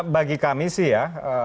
bagi kami sih ya